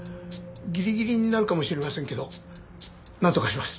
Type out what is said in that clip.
ギリギリになるかもしれませんけどなんとかします。